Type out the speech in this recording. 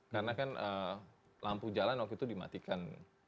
karena kan lampu jalan waktu itu dimatikan